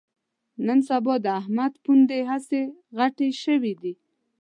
نن سبا د احمد پوندې هسې غټې شوې دي